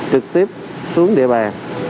trực tiếp xuống địa bàn